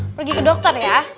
pergi ke dokter ya